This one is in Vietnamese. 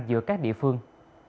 giữa các địa phương